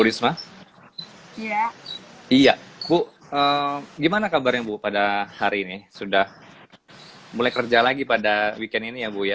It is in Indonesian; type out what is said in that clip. bu risma iya iya bu gimana kabarnya bu pada hari ini sudah mulai kerja lagi pada weekend ini ya bu ya